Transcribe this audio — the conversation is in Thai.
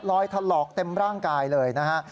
ถลอกเต็มร่างกายเลยนะฮะ